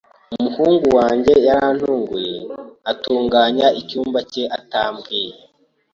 Umuhungu wanjye yarantunguye atunganya icyumba cye atabwiwe.